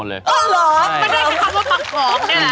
ที่นู่น